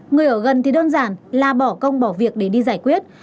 người ở gần thì đơn giản là bỏ công bỏ việc để đi giải quyết